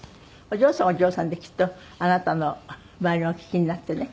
お嬢さんはお嬢さんできっとあなたのヴァイオリンをお聴きになってね